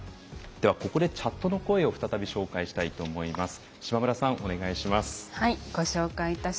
ここで、チャットの声を再び紹介したいと思います。